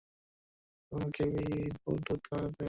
কখনো ক্যারিবুর দুধ দোয়াতে যেও না।